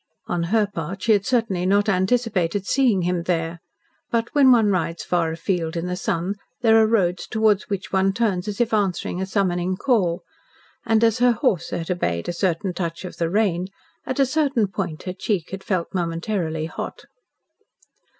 On her part she had certainly not anticipated seeing him there, but when one rides far afield in the sun there are roads towards which one turns as if answering a summoning call, and as her horse had obeyed a certain touch of the rein at a certain point her cheek had felt momentarily hot.